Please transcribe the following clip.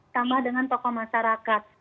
tambah dengan tokoh masyarakat